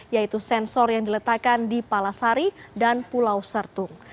yaitu sensor yang diletakkan di palasari dan pulau sertung